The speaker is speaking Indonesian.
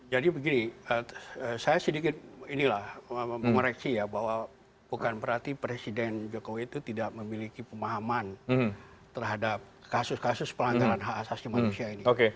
jadi begini saya sedikit inilah mengoreksi ya bahwa bukan berarti presiden jokowi itu tidak memiliki pemahaman terhadap kasus kasus pelanggaran hak asasi manusia ini